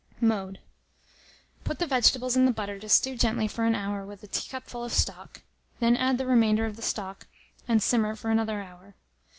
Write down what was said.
Mode. Put the vegetables in the butter to stew gently for an hour with a teacupful of stock; then add the remainder of the stock, and simmer for another hour.